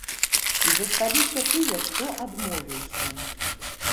І засталіся тыя, хто адмовіўся.